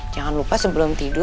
jangan lupa sebelum tidur